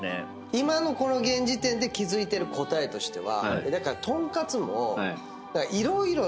今のこの現時点で気付いてる答えとしては。